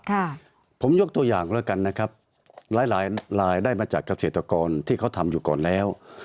ค่ะผมยกตัวอย่างแล้วกันนะครับหลายหลายรายได้มาจากเกษตรกรที่เขาทำอยู่ก่อนแล้ว